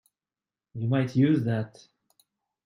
You might use that.